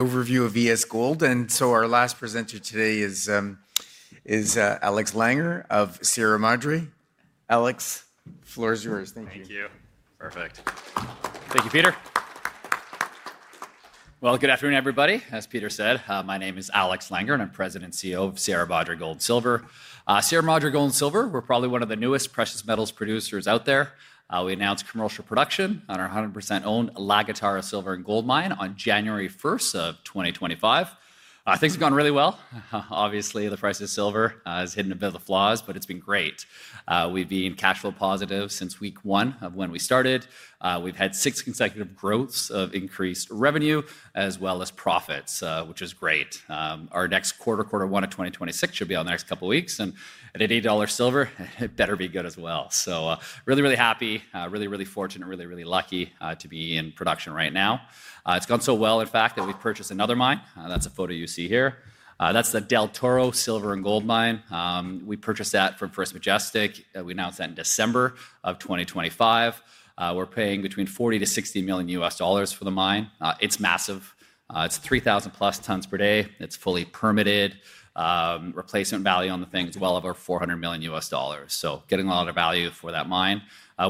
Overview of ESGold. Our last presenter today is Alex Langer of Sierra Madre. Alex, floor is yours. Thank you. Thank you. Perfect. Thank you, Peter. Good afternoon, everybody. As Peter said, my name is Alex Langer, and I'm President and CEO of Sierra Madre Gold & Silver. Sierra Madre Gold & Silver, we're probably one of the newest precious metals producers out there. We announced commercial production on our 100% owned La Guitarra Silver and Gold Mine on January 1st, 2025. Things have gone really well. Obviously, the price of silver has hidden a bit of the flaws, but it's been great. We've been cash flow positive since week 1 of when we started. We've had 6 consecutive growths of increased revenue as well as profits, which is great. Our next quarter one of 2026, should be out in the next couple weeks. At $80 silver, it better be good as well. Really, really happy, really, really fortunate, really, really lucky to be in production right now. It's gone so well, in fact, that we've purchased another mine. That's the photo you see here. That's the Del Toro Silver and Gold Mine. We purchased that from First Majestic. We announced that in December of 2025. We're paying between $40 million-$60 million for the mine. It's massive. It's 3,000+ tons per day. It's fully permitted. Replacement value on the thing is well over $400 million, getting a lot of value for that mine.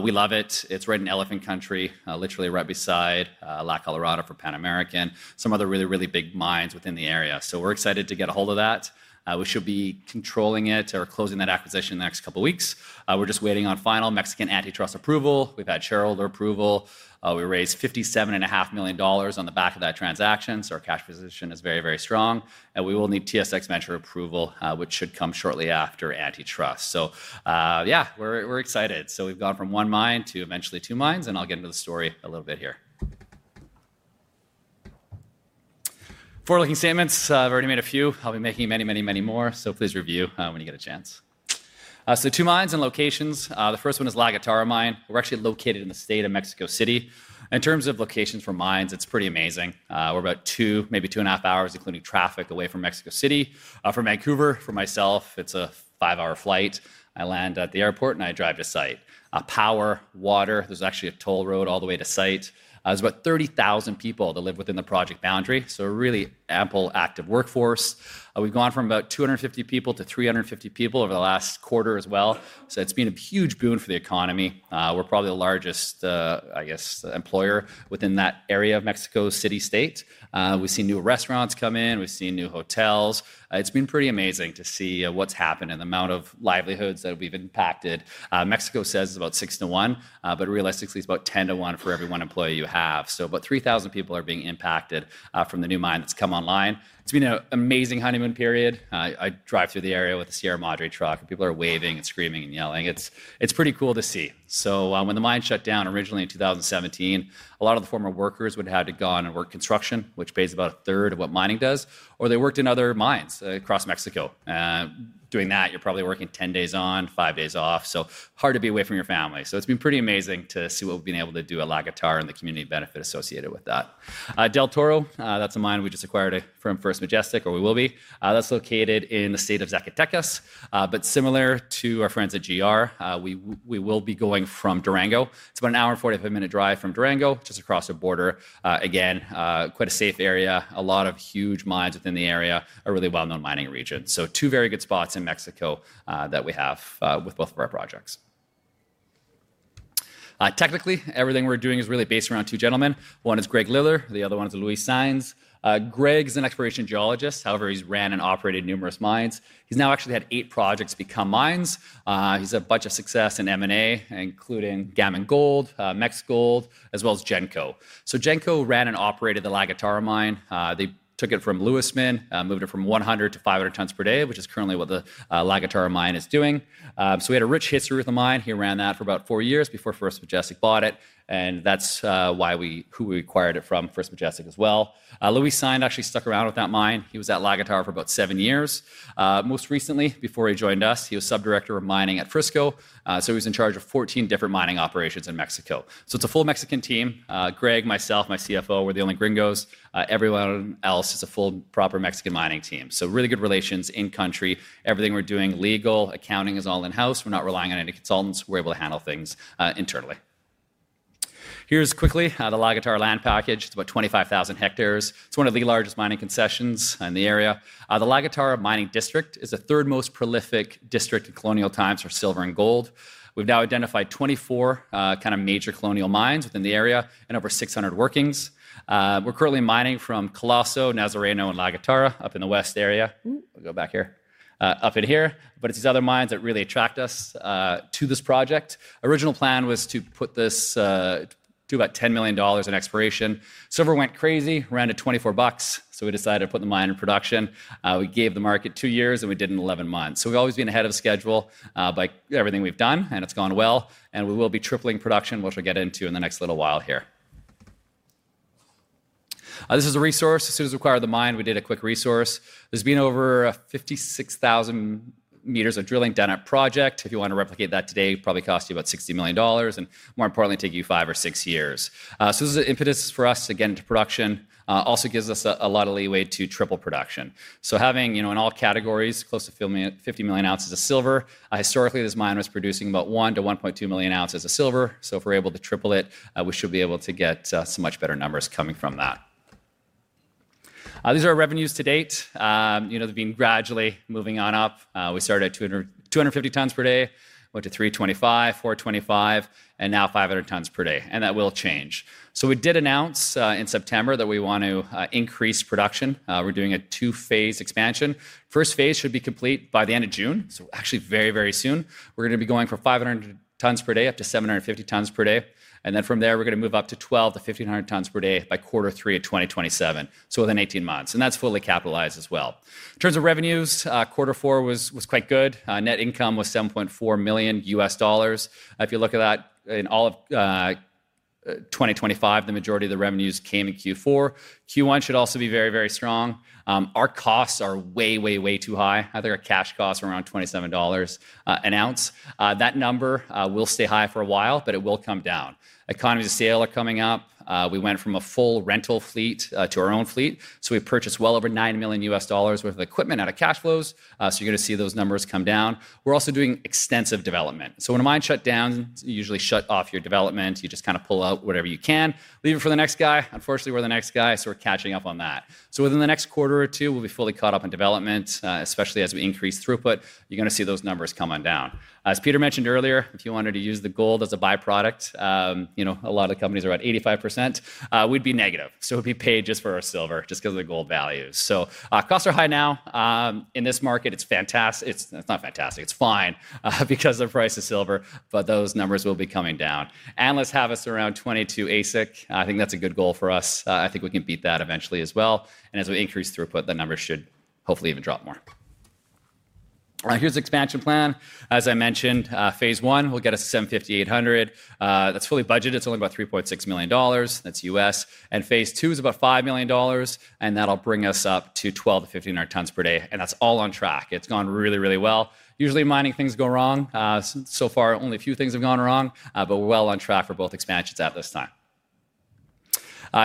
We love it. It's right in elephant country, literally right beside La Colorada for Pan American, some other really, really big mines within the area. We're excited to get a hold of that. We should be controlling it or closing that acquisition in the next two weeks. We're just waiting on final Mexican antitrust approval. We've had shareholder approval. We raised $57.5 million on the back of that transaction, so our cash position is very, very strong. We will need TSX Venture approval, which should come shortly after antitrust. We're excited. We've gone from one mine to eventually two mines, and I'll get into the story a little bit here. Forward-looking statements. I've already made a few. I'll be making many, many, many more, please review when you get a chance. Two mines and locations. The first one is La Guitarra mine. We're actually located in the state of Mexico City. In terms of locations for mines, it's pretty amazing. We're about two, maybe two and a half hours, including traffic, away from Mexico City. From Vancouver, for myself, it's a five-hour flight. I land at the airport, and I drive to site. Power, water. There's actually a toll road all the way to site. There's about 30,000 people that live within the project boundary, so a really ample, active workforce. We've gone from about 250 people to 350 people over the last quarter as well, so it's been a huge boon for the economy. We're probably the largest, I guess, employer within that area of Mexico City State. We've seen new restaurants come in. We've seen new hotels. It's been pretty amazing to see what's happened and the amount of livelihoods that we've impacted. Mexico says it's about six to one, but realistically it's about 10 to one for every one employee you have. About 3,000 people are being impacted from the new mine that's come online. It's been a amazing honeymoon period. I drive through the area with the Sierra Madre truck, people are waving and screaming and yelling. It's pretty cool to see. When the mine shut down originally in 2017, a lot of the former workers would have had to go on and work construction, which pays about a third of what mining does, or they worked in other mines across Mexico. Doing that, you're probably working 10 days on, five days off, so hard to be away from your family. It's been pretty amazing to see what we've been able to do at La Guitarra and the community benefit associated with that. Del Toro, that's a mine we just acquired from First Majestic, or we will be. That's located in the state of Zacatecas. Similar to our friends at GR, we will be going from Durango. It's about an hour and 45 minute drive from Durango, just across the border. Again, quite a safe area. A lot of huge mines within the area. A really well-known mining region. Two very good spots in Mexico, that we have, with both of our projects. Technically, everything we're doing is really based around two gentlemen. One is Greg Liller, the other one is Luis Saenz. Gregory's an exploration geologist. However, he's ran and operated numerous mines. He's now actually had eight projects become mines. He's had a bunch of success in M&A, including Gammon Gold, Mexgold, as well as Genco. Genco ran and operated the La Guitarra mine. They took it from Luismin, moved it from 100 to 500 tons per day, which is currently what the La Guitarra mine is doing. We had a rich history with the mine. He ran that for about four years before First Majestic bought it, and that's who we acquired it from, First Majestic as well. Luis Saenz actually stuck around with that mine. He was at La Guitarra for about seven years. Most recently, before he joined us, he was sub-director of mining at Frisco, so he was in charge of 14 different mining operations in Mexico. It's a full Mexican team. Gregory Liller, myself, my CFO, we're the only gringos. Everyone else is a full, proper Mexican mining team. Really good relations in country. Everything we're doing legal. Accounting is all in-house. We're not relying on any consultants. We're able to handle things internally. Here's quickly the La Guitarra land package. It's about 25,000 hectares. It's one of the largest mining concessions in the area. The La Guitarra mining district is the third most prolific district in colonial times for silver and gold. We've now identified 24 kind of major colonial mines within the area and over 600 workings. We're currently mining from Coloso, Nazareno, and La Guitarra up in the west area. We'll go back here. Up in here. It's these other mines that really attract us to this project. Original plan was to put this, do about $10 million in exploration. Silver went crazy, ran to $24, we decided to put the mine in production. We gave the market two years, we did it in 11 months. We've always been ahead of schedule by everything we've done, it's gone well, we will be tripling production, which I'll get into in the next little while here. This is a resource. As soon as we acquired the mine, we did a quick resource. There's been over 56,000 meters of drilling done at project. If you want to replicate that today, it'd probably cost you about $60 million, more importantly, take you five or six years. This is the impetus for us to get into production. Also gives us a lot of leeway to triple production. Having, you know, in all categories, close to 50 million ounces of silver. Historically, this mine was producing about 1 to 1.2 million ounces of silver, if we're able to triple it, we should be able to get some much better numbers coming from that. These are our revenues to date. You know, they've been gradually moving on up. We started at 200, 250 tons per day, went to 325, 425, and now 500 tons per day, and that will change. We did announce in September that we want to increase production. We're doing a two-phase expansion. First phase should be complete by the end of June, so actually very, very soon. We're gonna be going from 500 tons per day up to 750 tons per day, and then from there we're gonna move up to 1,200 to 1,500 tons per day by quarter three 2027, so within 18 months, and that's fully capitalized as well. In terms of revenues, quarter four was quite good. Net income was $7.4 million. If you look at that, in all of 2025, the majority of the revenues came in Q4. Q1 should also be very, very strong. Our costs are way, way too high. They're at cash costs around $27 an ounce. That number will stay high for a while, but it will come down. Economies of scale are coming up. We went from a full rental fleet to our own fleet. We've purchased well over $9 million worth of equipment out of cash flows, so you're gonna see those numbers come down. We're also doing extensive development. When a mine's shut down, you usually shut off your development. You just kind of pull out whatever you can, leave it for the next guy. Unfortunately, we're the next guy, so we're catching up on that. Within the next quarter or two, we'll be fully caught up in development, especially as we increase throughput. You're gonna see those numbers come on down. As Peter mentioned earlier, if you wanted to use the gold as a byproduct, you know, a lot of companies are at 85%, we'd be negative. We'd be paid just for our silver, just 'cause of the gold value. Costs are high now. In this market it's not fantastic, it's fine, because the price of silver, but those numbers will be coming down. Analysts have us around 22 AISC. I think that's a good goal for us. I think we can beat that eventually as well, and as we increase throughput, the numbers should hopefully even drop more. All right, here's the expansion plan. As I mentioned, phase one will get us to 750, 800. That's fully budgeted. It's only about $3.6 million. That's U.S. Phase two is about $5 million, that'll bring us up to 1,200-1,500 tons per day, that's all on track. It's gone really, really well. Usually mining, things go wrong. So far only a few things have gone wrong, but we're well on track for both expansions at this time.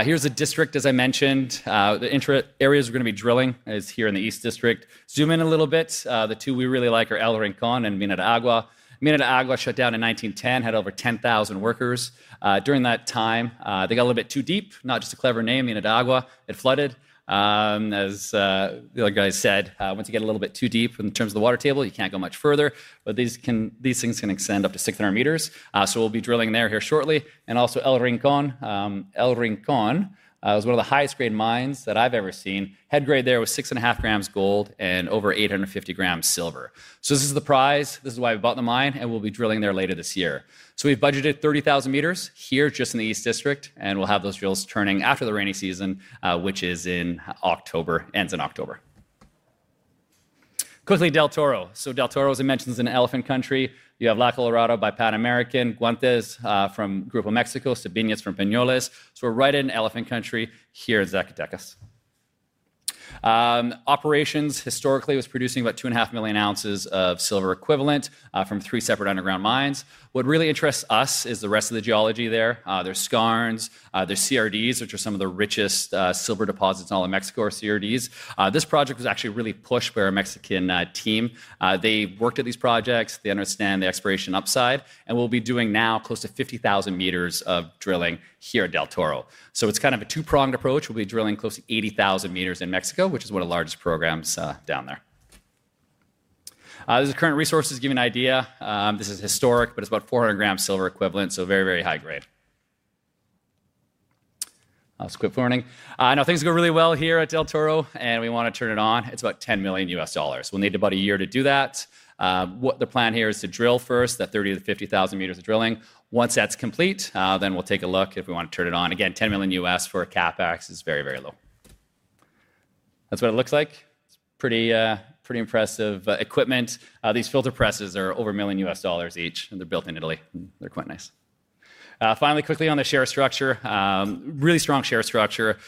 Here's the district, as I mentioned. The inter areas we're going to be drilling is here in the east district. Zoom in a little bit. The two we really like are El Rincón and Mina de Agua. Mina de Agua shut down in 1910, had over 10,000 workers. During that time, they got a little bit too deep. Not just a clever name, Mina de Agua, it flooded. As the other guy said, once you get a little bit too deep in terms of the water table, you can't go much further, but these things can extend up to 600 meters. We'll be drilling there here shortly. Also El Rincón. El Rincón was one of the highest grade mines that I've ever seen. Head grade there was 6.5 grams gold and over 850 grams silver. This is the prize. This is why we bought the mine, we'll be drilling there later this year. We've budgeted 30,000 meters here just in the east district, we'll have those drills turning after the rainy season, which is in October, ends in October. Quickly, Del Toro. Del Toro, as I mentioned, is in elephant country. You have La Colorada by Pan American, Guantes, from Grupo México, Sabinas from Peñoles. We're right in elephant country here in Zacatecas. Operations historically was producing about 2.5 million ounces of silver equivalent from three separate underground mines. What really interests us is the rest of the geology there. There's skarns, there's CRDs, which are some of the richest silver deposits in all of Mexico are CRDs. This project was actually really pushed by our Mexican team. They worked at these projects. They understand the exploration upside, and we'll be doing now close to 50,000 meters of drilling here at Del Toro. It's kind of a two-pronged approach. We'll be drilling close to 80,000 meters in Mexico, which is one of the largest programs down there. Those are current resources to give you an idea. This is historic, it's about 400g silver equivalent, very, very high grade. Just a quick warning. Now things are going really well here at Del Toro, we wanna turn it on. It's about $10 million. We'll need about a year to do that. What the plan here is to drill first, that 30,000m-50,000m of drilling. Once that's complete, we'll take a look if we wanna turn it on again. $10 million for a CapEx is very, very low. That's what it looks like. It's pretty impressive equipment. These filter presses are over $1 million each, they're built in Italy. They're quite nice. Finally, quickly on the share structure, really strong share structure.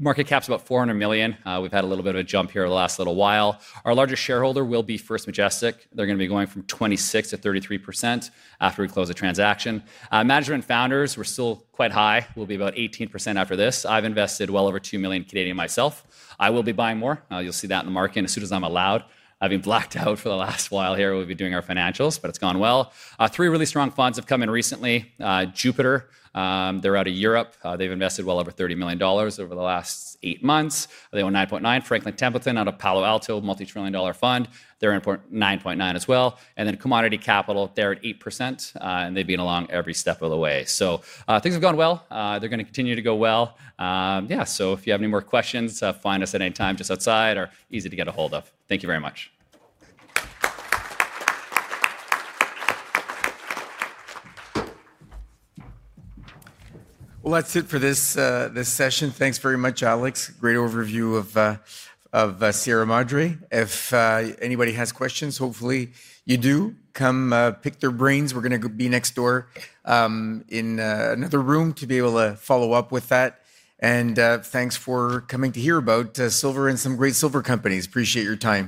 Market cap's about $400 million. We've had a little bit of a jump here the last little while. Our largest shareholder will be First Majestic. They're gonna be going from 26% to 33% after we close the transaction. Management founders, we're still quite high. We'll be about 18% after this. I've invested well over 2 million myself. I will be buying more. You'll see that in the market as soon as I'm allowed. I've been blacked out for the last while here. We've been doing our financials, but it's gone well. Three really strong funds have come in recently. Jupiter, they're out of Europe. They've invested well over $30 million over the last eight months. They own 9.9. Franklin Templeton out of Palo Alto, a multi-trillion-dollar fund, they're in 9.9 as well. Commodity Capital, they're at 8%, and they've been along every step of the way. Things have gone well. They're gonna continue to go well. Yeah, if you have any more questions, find us at any time just outside. We're easy to get ahold of. Thank you very much. Well, that's it for this session. Thanks very much, Alex. Great overview of Sierra Madre. If anybody has questions, hopefully you do, come pick their brains. We're gonna be next door in another room to be able to follow up with that. Thanks for coming to hear about silver and some great silver companies. Appreciate your time.